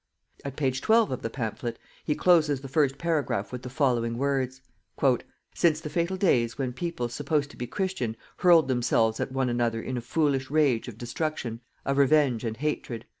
At page 12 of the pamphlet, he closes the first paragraph with the following words: "_since the fatal days when peoples supposed to be Christian hurled themselves at one another in a foolish rage of destruction, of revenge and hatred_."